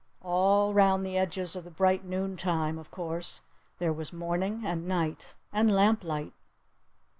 All round the edges of the bright noon time, of course, there was morning and night. And lamplight.